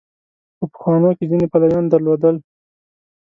په پخوانو کې ځینې پلویان درلودل.